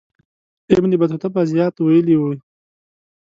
ابن بطوطه به زیات ویلي وي.